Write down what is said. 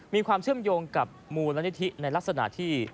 มีความเชื่อมโยงกับมูลนิธิในลักษณะที่